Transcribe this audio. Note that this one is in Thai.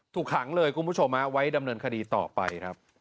ถูกขังเลยคุณผู้ชมไว้ดำเนินคดีต่อไปครับ